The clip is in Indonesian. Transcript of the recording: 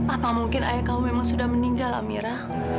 apa mungkin ayah kamu memang sudah meninggal amira